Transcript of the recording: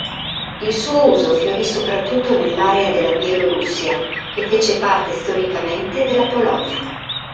Il suo uso fiorì soprattutto nell'area della Bielorussia che fece parte storicamente della Polonia.